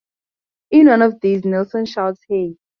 In one of these, Nielsen shouts, Hey!